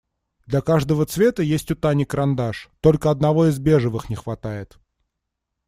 Для каждого цвета есть у Тани карандаш, только одного из бежевых не хватает.